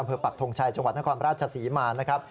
อำเภอปัฒนทงชายจังหวัดธความราชสีมาก